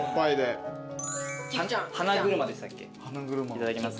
いただきます。